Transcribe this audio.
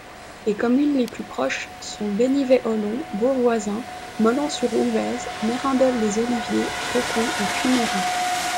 Les communes les plus proches sont Bénivay-Ollon, Beauvoisin, Mollans-sur-Ouvèze, Mérindol-les-Oliviers, Faucon et Puyméras.